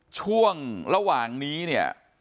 ช่วงระหว่างนี้เนี่ย